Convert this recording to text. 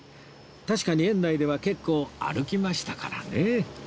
確かに園内では結構歩きましたからね